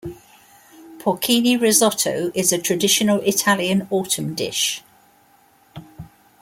Porcini risotto is a traditional Italian autumn dish.